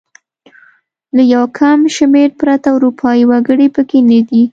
له یو کم شمېر پرته اروپايي وګړي پکې نه دي.